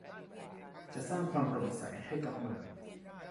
จะสร้างความโปร่งใสให้กับเมือง